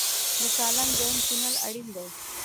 د سالنګ دویم تونل اړین دی